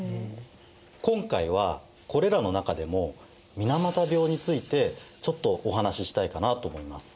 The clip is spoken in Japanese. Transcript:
今回はこれらの中でも水俣病についてちょっとお話ししたいかなと思います。